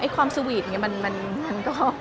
ความสวีทมันก็